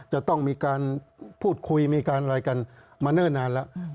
จะต้องมีการพูดคุยมีการอะไรกันมาเนิ่นนานแล้ว